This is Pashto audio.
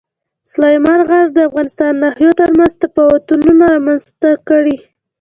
سلیمان غر د افغانستان د ناحیو ترمنځ تفاوتونه رامنځ ته کوي.